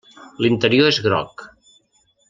L'interior és groc.